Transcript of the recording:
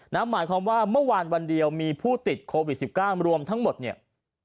หมายความว่าเมื่อวานวันเดียวมีผู้ติดโควิด๑๙รวมทั้งหมดเนี่ย